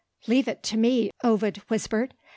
"Leave it to me," Ovid whispered.